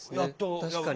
確かに。